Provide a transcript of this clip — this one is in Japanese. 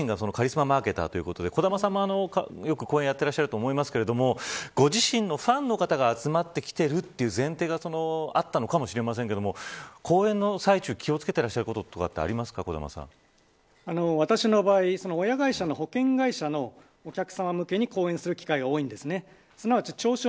ご自身がカリスママーケターということで小玉さんもよくやっていると思いますがご自身のファンの方が集まってきているという前提があったのかもしれませんが講演の最中に気を付けていらっしゃることとか私の場合、親会社の保険会社のお客さま向けに講演する機会が多いです。